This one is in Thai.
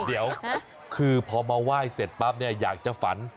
เดี๋ยวคือพอมาไหว้เสร็จปั๊บเนี่ยอยากจะฝัน